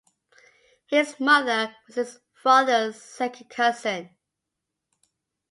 His mother was his father's second cousin.